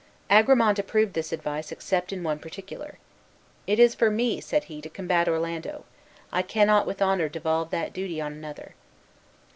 Agramant approved this advice except in one particular. "It is for me," said he, "to combat Orlando; I cannot with honor devolve that duty on another."